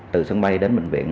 từ sân bay đến bệnh viện